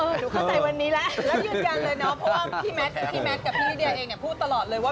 หนูเข้าใจวันนี้แล้วแล้วหยุดยังเลยเนอะ